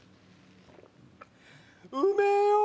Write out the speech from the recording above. うめぇよ！